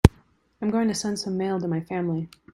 I am going to send some mail to my family.